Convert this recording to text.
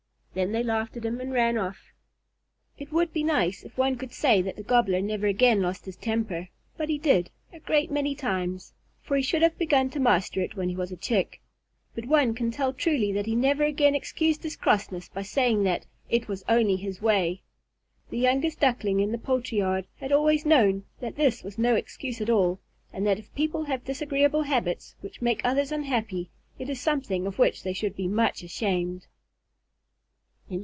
Then they laughed at him and ran off. It would be nice if one could say that the Gobbler never again lost his temper, but he did, a great many times, for he should have begun to master it when he was a Chick. But one can tell truly that he never again excused his crossness by saying that "it was only his way." The youngest Duckling in the poultry yard had always known that this was no excuse at all, and that if people have disagreeable habits which make others unhappy, it is something of which they should be much ashamed.